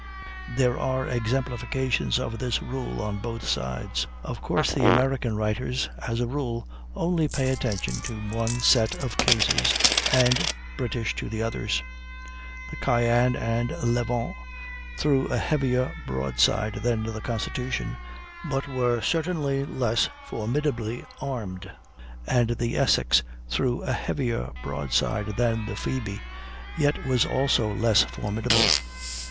There are exemplifications of this rule on both sides; of course, American writers, as a rule, only pay attention to one set of cases, and British to the others. The Cyane and Levant threw a heavier broadside than the Constitution but were certainly less formidably armed; and the Essex threw a heavier broadside than the Phoebe, yet was also less formidable.